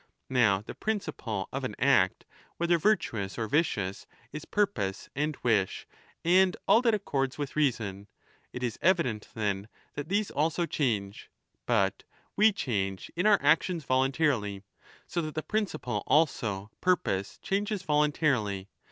Now the principle of an act, whether virtuous or vicious, 15 is purpose and wish, and all that accords with reason. It is evident, then, that these also change. But we change in our actions voluntarily. So that the principle also, purpose, changes voluntarily.